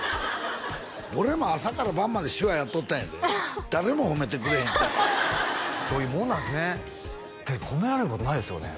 俺も朝から晩まで手話やっとったんやで誰も褒めてくれへんそういうもんなんですねっていうか褒められることないですよね